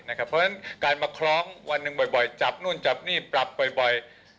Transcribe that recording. เพราะฉะนั้นการมาคล้องวันหนึ่งบ่อยจับนู่นจับนี่ปรับบ่อย